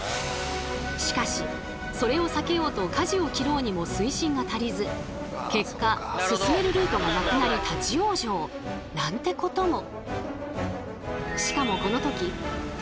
しかしそれを避けようとかじを切ろうにも水深が足りず結果進めるルートがなくなり立往生なんてことも。